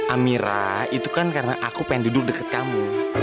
amira itu kan karena aku pengen duduk dekat kamu